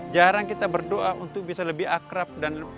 jarang kita berdoa untuk bisa berdoa untuk kelahan kelahan kita